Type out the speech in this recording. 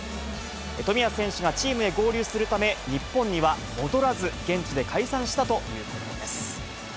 冨安選手がチームへ合流するため、日本には戻らず、現地で解散したということです。